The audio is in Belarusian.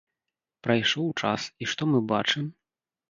Прайшоў час, і што мы бачым?